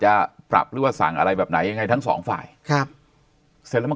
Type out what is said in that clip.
จะปรับหรือว่าสั่งอะไรแบบไหนยังไงทั้งสองฝ่ายครับเสร็จแล้วมัน